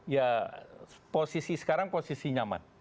ya posisi sekarang posisi nyaman